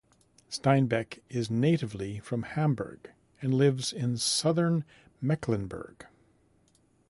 Steinbeck is natively from Hamburg and lives in Southern Mecklenburg.